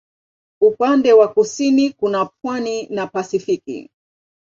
Upande wa kusini kuna pwani na Pasifiki.